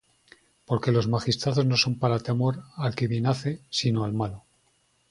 Porque los magistrados no son para temor al que bien hace, sino al malo.